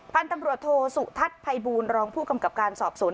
พันธุ์ตำรวจโทสุทัศน์ภัยบูรณรองผู้กำกับการสอบสวน